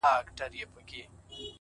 نيت چي دی درسمه او سمه آئينه را واخلم!